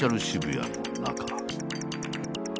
渋谷の中。